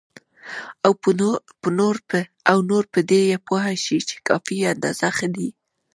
او نور په دې پوه شي چې کافي اندازه ښه دي.